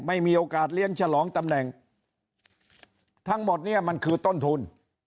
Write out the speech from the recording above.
ไม่มีโอกาสเลี้ยงฉลองตำแหน่งทั้งหมดเนี่ยมันคือต้นทุน